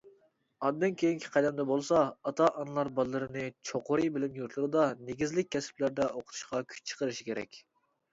ئاندىن كېيىنكى قەدەمدە بولسا ئاتا-ئانىلار بالىلىرىنى چوقۇرى بىلىم يۇرتلىرىدا نېگىزلىك كەسىپلەردە ئوقۇتۇشقا كۈچ چىقىرىشى كېرەك.